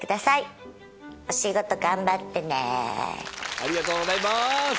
ありがとうございます。